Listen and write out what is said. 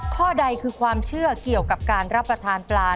ข้อใดคือความเชื่อเกี่ยวกับการรับประทานปลา